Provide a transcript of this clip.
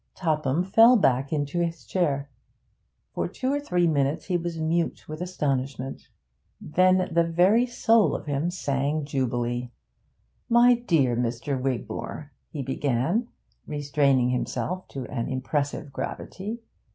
Topham fell back into his chair. For two or three minutes he was mute with astonishment; then the very soul of him sang jubilee. 'My dear Mr. Wigmore,' he began, restraining himself to an impressive gravity.